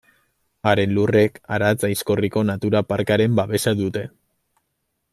Haren lurrek Aratz-Aizkorriko natura parkearen babesa dute.